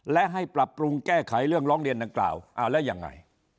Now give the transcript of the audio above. และให้ปรับปรุงแก้ไขเรื่องร้องเรียนดังกล่าวเอาแล้วยังไง